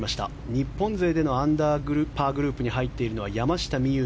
日本勢でのアンダーパーグループに入っているのは山下美夢